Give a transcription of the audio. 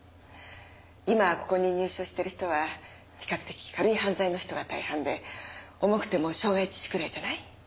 今ここに入所している人は比較的軽い犯罪の人が大半で重くても傷害致死くらいじゃない？